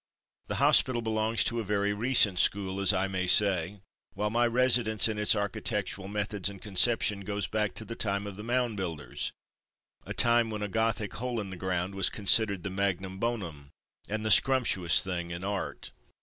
The hospital belongs to a very recent school, as I may say, while my residence, in its architectural methods and conception, goes back to the time of the mound builders, a time when a Gothic hole in the ground was considered the magnum bonum and the scrumptuous thing in art.